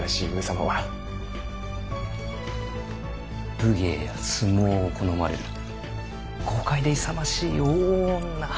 武芸や相撲を好まれる豪快で勇ましい大女。